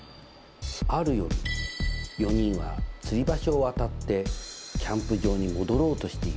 ある夜４人はつり橋を渡ってキャンプ場に戻ろうとしています。